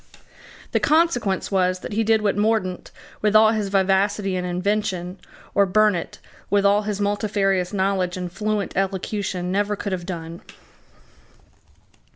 The consequence was that he did what Mordaunt, with all his vivacity and invention, or Burnet, with all his multifarious knowledge and fluent elocution never could have done.